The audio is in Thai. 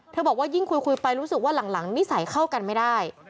บอกว่ายิ่งคุยไปรู้สึกว่าหลังนิสัยเข้ากันไม่ได้